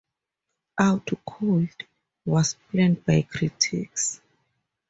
"Out Cold" was panned by critics.